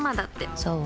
そう？